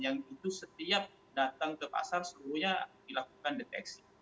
yang itu setiap datang ke pasar seluruhnya dilakukan deteksi